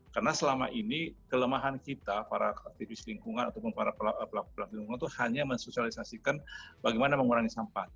karena selama ini kelemahan kita para aktivis lingkungan ataupun para pelaku pelanggan lingkungan itu hanya mensosialisasikan bagaimana mengurangi sampah